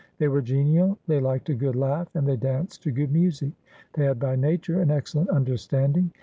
They were genial, they liked a good laugh, and they danced to good music. They had by nature an excellent understanding.